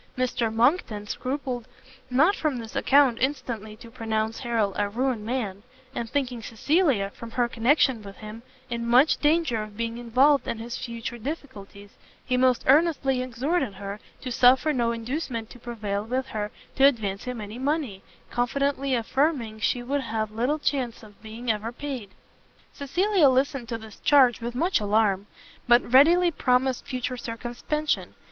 Mr Monckton scrupled not from this account instantly to pronounce Harrel a ruined man; and thinking Cecilia, from her connection with him, in much danger of being involved in his future difficulties, he most earnestly exhorted her to suffer no inducement to prevail with her to advance him any money, confidently affirming she would have little chance of being ever repaid. Cecilia listened to this charge with much alarm, but readily promised future circumspection.